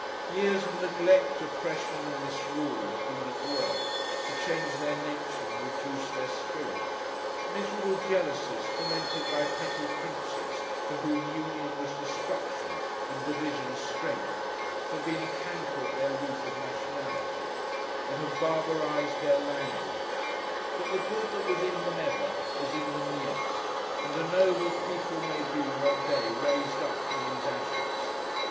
Years of neglect, oppression, and misrule, have been at work, to change their nature and reduce their spirit; miserable jealousies, fomented by petty Princes to whom union was destruction, and division strength, have been a canker at their root of nationality, and have barbarized their language; but the good that was in them ever, is in them yet, and a noble people may be, one day, raised up from these ashes.